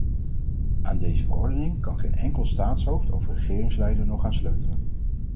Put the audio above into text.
Aan deze verordening kan geen enkel staatshoofd of regeringsleider nog gaan sleutelen.